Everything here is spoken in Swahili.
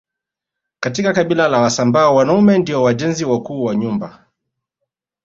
Katika kabila la wasambaa wanaume ndio wajenzi wakuu wa nyumba